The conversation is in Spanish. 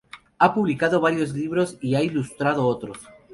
Ha publicado varios libros y ha ilustrado otros.